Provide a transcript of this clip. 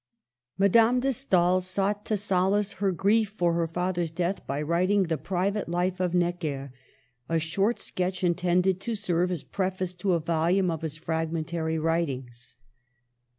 Madame de Stael sought to solace her grief for her father's death by writing "The Private Life of Necker," a short sketch intended to serve as preface to a volume of his fragmentary writ ings.